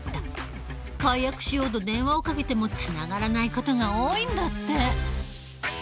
解約しようと電話をかけてもつながらない事が多いんだって。